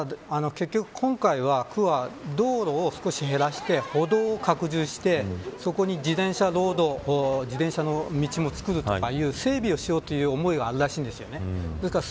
ただ結局、今回は区は道路を少し減らして歩道を拡充してそこに自転車ロード自転車の道を作るという整備をしようという思いがあるらしいんです。